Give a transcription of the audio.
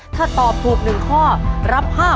ถ้าตอบถูกหนึ่งข้อรับ๕๐๐๐บาท